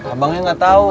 abangnya nggak tau